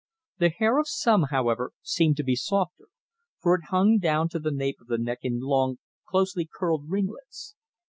The hair of some, however, seemed to be softer, for it hung down to the nape of the neck in long, closely curled ringlets.